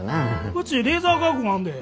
うちレーザー加工があんで。